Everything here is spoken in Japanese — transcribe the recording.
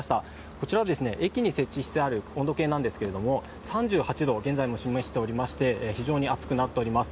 こちらは駅に設置してある温度計なんですけど３８度を現在も示しておりまして非常に暑くなっております。